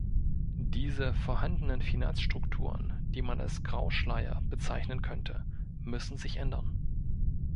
Diese vorhandenen Finanzstrukturen, die man als Grauschleier bezeichnen könnte, müssen sich ändern.